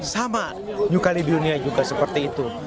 sama new caledonia juga seperti itu